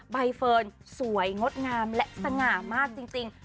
ใบเฟิร์นสวยงดงามและสง่ามากจริง